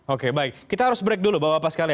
oke baik kita harus break dulu bapak ibu